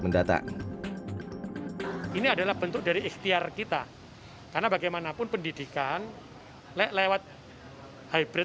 mendatang ini adalah bentuk dari ikhtiar kita karena bagaimanapun pendidikan lewat hybrid